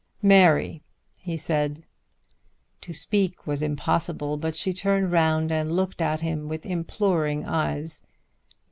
"Mary," he said. To speak was impossible, but she turned round and looked at him with imploring eyes.